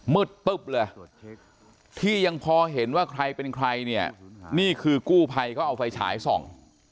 ปุ๊บเลยที่ยังพอเห็นว่าใครเป็นใครเนี่ยนี่คือกู้ภัยเขาเอาไฟฉายส่อง